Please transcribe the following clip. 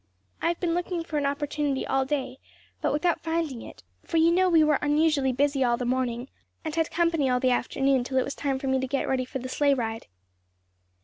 I have been looking for an opportunity all day, but without finding it; for you know we were unusually busy all the morning and had company all the afternoon till it was time for me to get ready for the sleigh ride."